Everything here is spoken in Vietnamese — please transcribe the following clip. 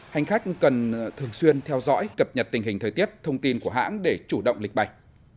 hành khách cần thường xuyên theo dõi cập nhật tình hình thời tiết thông tin của hãng để chủ động lịch bày